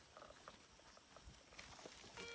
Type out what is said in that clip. ไม่เอาแต่แบบนี้